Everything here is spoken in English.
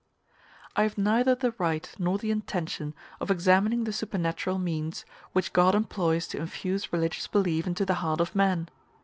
I have neither the right nor the intention of examining the supernatural means which God employs to infuse religious belief into the heart of man.